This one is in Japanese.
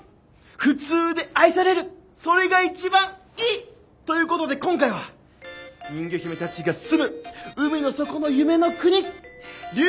普通で愛されるそれが一番いい！ということで今回は人魚姫たちが住む海の底の夢の国竜